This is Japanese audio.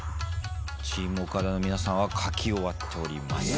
チーム岡田の皆さんは書き終わっております。